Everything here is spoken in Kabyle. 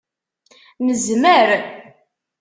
Nezmer!